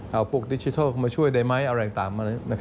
เอาพวกดิจิทัลมาช่วยได้ไหมอะไรตาม